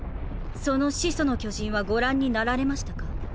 その始祖の巨人はご覧になられましたか？